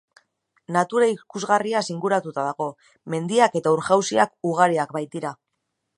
Natura ikusgarriaz inguratua dago, mendiak eta ur-jauziak ugariak baitira.